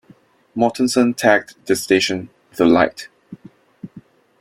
Mortenson tagged the station "The Light".